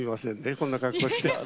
こんな格好して。